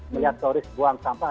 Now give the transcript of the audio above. melihat turis buang sampah